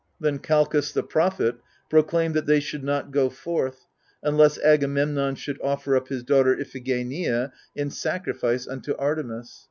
Then Calchas the prophet proclaimed that they should not go forth, unless Agamemnon should offer up his daughter Iphigenia in sacrifice unto Artemis.